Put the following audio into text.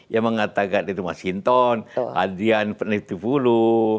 yang mengatakan itu mas hinton adrian pernetivulu